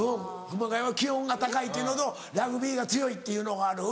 熊谷は気温が高いというのとラグビーが強いっていうのがある。